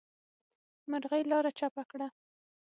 مرغۍ لاره چپه کړه.